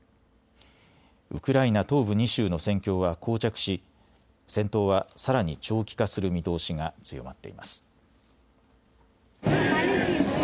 ウクライナ東部２州の戦況はこう着し戦闘はさらに長期化する見通しが強まっています。